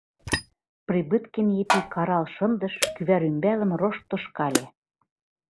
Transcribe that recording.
— Прибыткин Епи карал шындыш, кӱвар ӱмбалым рошт тошкале.